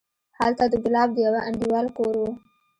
هلته د ګلاب د يوه انډيوال کور و.